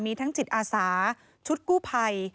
มีทั้งจิตอาสาชุดกู้ภัย